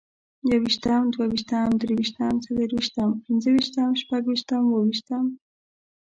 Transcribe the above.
يوویشتم، دوويشتم، دريوشتم، څلورويشتم، پنځوويشتم، شپږويشتم، اوويشتمه